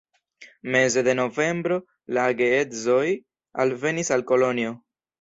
Meze de novembro la geedzoj alvenis al Kolonjo.